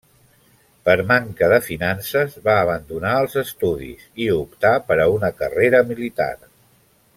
Per manca de finances va abandonar els estudis i optar per a una carrera militar.